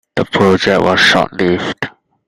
The project was short-lived.